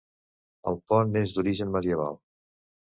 El pont és d’origen medieval.